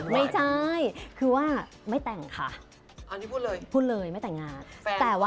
โรคเหมือนเดิม